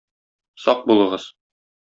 Сак булыгыз!